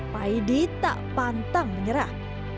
paidee tak pantang menyerah